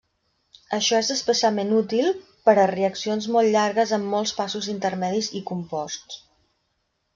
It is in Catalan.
Això és especialment útil per a reaccions molt llargues amb molts passos intermedis i composts.